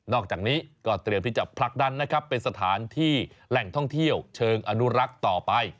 อกจากนี้ก็เตรียมที่จะผลักดันนะครับเป็นสถานที่แหล่งท่องเที่ยวเชิงอนุรักษ์ต่อไป